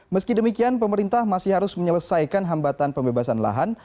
meski demikian pemerintah masih harus menyelesaikan hambatan pembebasan lahan